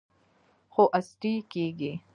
خو عصري کیږي.